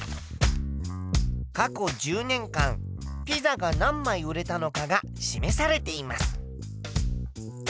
過去１０年間ピザが何枚売れたのかが示されています。